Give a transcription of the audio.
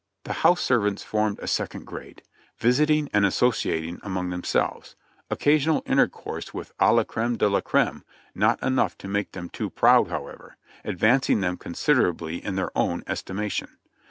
The house servants formed a second grade, visiting and asso ciating among themselves; occasional intercourse with la creme de la creme, — not enough to make them too proud, however, — advancing them considerably in their own estimation.